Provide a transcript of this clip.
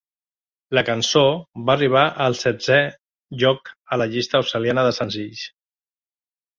La cançó va arribar al setzè lloc en la llista australiana de senzills.